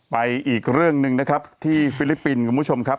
อีกเรื่องหนึ่งนะครับที่ฟิลิปปินส์คุณผู้ชมครับ